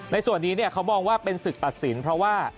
ในส่วนนี้เขามองว่าเป็นศึกตัดสินเพราะว่า